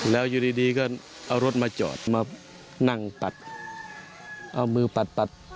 แล้วอยู่ดีก็เอารถมาจอดมานั่งปัดเอามือปัดปัด